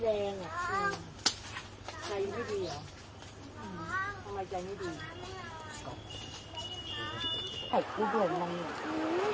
และความสำเร็จที่ประกอบของตัวและกลัวใย